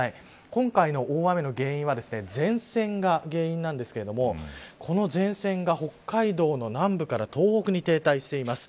今回の大雨の原因は前線が原因なんですがこの前線が北海道の南部から東北に停滞しています。